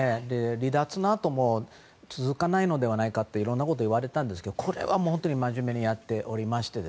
離脱のあとも続かないのではないかといろんなことを言われたんですがこれはもう本当にまじめにやっておりまして。